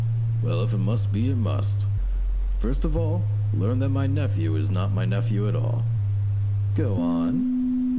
"Well, if it must be, it must. First of all, learn that my nephew is not my nephew at all." "Go on."